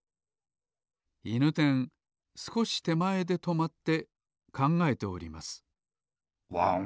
いぬてんすこしてまえでとまってかんがえておりますワン？